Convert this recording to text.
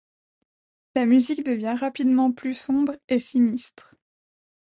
La musique devient rapidement plus sombre et sinistre.